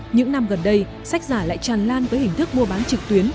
những năm gần đây sách giả lại tràn lan với hình thức mua bán trực tuyến